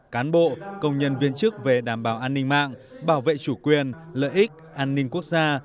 cán bộ công nhân viên chức về đảm bảo an ninh mạng bảo vệ chủ quyền lợi ích an ninh quốc gia